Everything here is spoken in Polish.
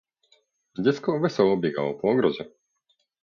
Dziecko wesoło biegało po ogrodzie.